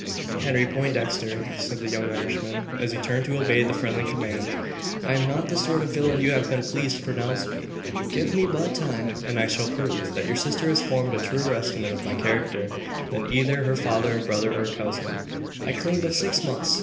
"Henry Poindexter," said the young Irishman, as he turned to obey the friendly command, "I am not the sort of villain you have been pleased to pronounce me. Give me but time, and I shall prove, that your sister has formed a truer estimate of my character than either her father, brother, or cousin. I claim but six months.